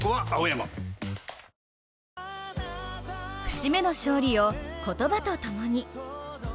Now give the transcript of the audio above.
節目の勝利を言葉と共に。